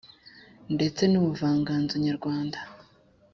ndetse n’ubuvanganzonyarwanda.